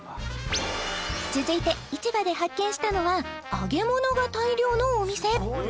続いて市場で発見したのは揚げ物が大量のお店